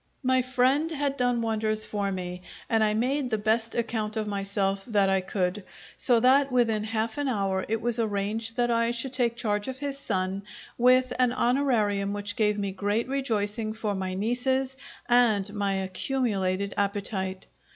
My friend had done wonders for me; and I made the best account of myself that I could, so that within half an hour it was arranged that I should take charge of his son, with an honourarium which gave me great rejoicing for my nieces and my accumulated appetite.